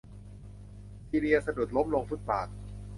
ซีเลียสะดุดล้มลงฟุตบาธ